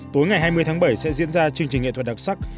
tối ngày hai mươi tháng bảy sẽ diễn ra chương trình nghệ thuật đặc sắc